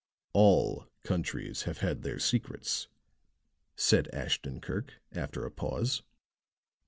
"All countries have had their secrets," said Ashton Kirk, after a pause.